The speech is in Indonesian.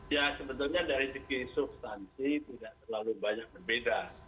ya sebetulnya dari segi substansi tidak terlalu banyak berbeda